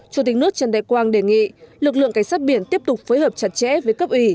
chủ tịch nước trần đại quang đề nghị lực lượng cảnh sát biển tiếp tục phối hợp chặt chẽ với cấp ủy